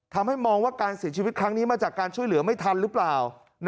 ทำให้มองว่าการเสียชีวิตครั้งนี้มาจากการช่วยเหลือไม่ทันหรือเปล่า